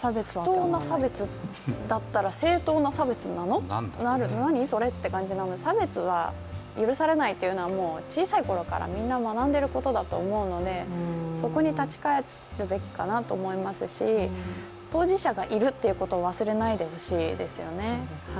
不当な差別だったら正当な差別って何それ？って感じで差別は許されないというのは小さいころからみんな学んでいることだと思うので、そこに立ち返るべきかなと思いますし、当事者がいるっていうことを忘れないでほしいですよね。